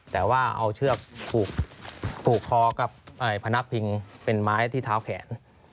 แต่ว่าเอาเชือกผูกคอกับพนักพิงเป็นไม้ที่เท้าแขน